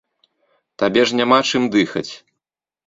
Табе ж няма чым дыхаць.